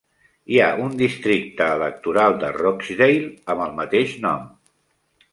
Hi ha un districte electoral de Rochdale amb el mateix nom.